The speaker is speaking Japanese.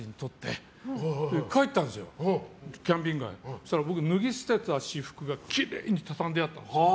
そうしたら脱ぎ捨てた私服がきれいに畳んであった。